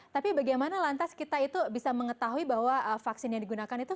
tapi bagaimana lantas kita itu bisa mengetahui bahwa vaksin yang digunakan itu